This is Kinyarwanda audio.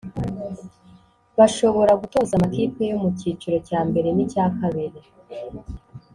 bashobora gutoza amakipe yo mu cyiciro cya mbere n’icya kabiri